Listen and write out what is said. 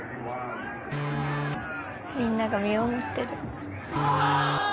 みんなが見守ってる。